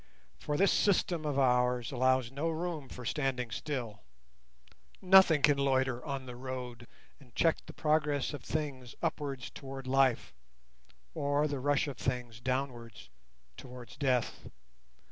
For this system of ours allows no room for standing still—nothing can loiter on the road and check the progress of things upwards towards Life, or the rush of things downwards towards Death.